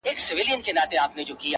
o مور د کور درد زغمي,